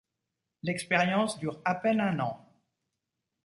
L’expérience dure à peine un an.